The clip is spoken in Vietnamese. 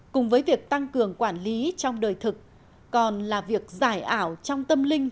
cùng với việc tăng cường quản lý trong đời thực còn là việc giải ảo trong tâm linh